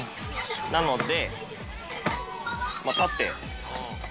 なので。